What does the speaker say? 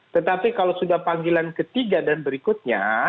tetapi kalau sudah panggilan ketiga dan berikutnya